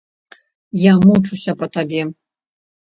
Я мучуся па табе.